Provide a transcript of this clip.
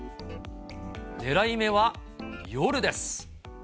ねらい目は夜です。